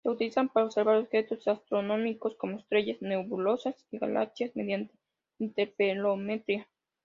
Se utilizan para observar objetos astronómicos, como estrellas, nebulosas y galaxias mediante interferometría.